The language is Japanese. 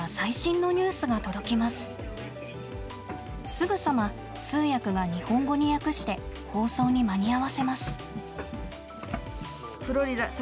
すぐさま通訳が日本語に訳して放送に間に合わせます。